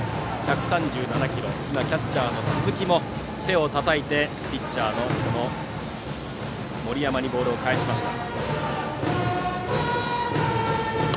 キャッチャーの鈴木も手をたたいてピッチャーの森山にボールを返しました。